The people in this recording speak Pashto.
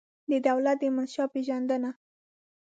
د دولت د منشا پېژندنه